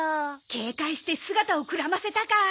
警戒して姿をくらませたか。